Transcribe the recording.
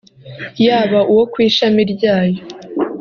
yaba uwo ku ishami ryayo